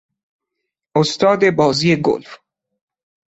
استاد بازی گلف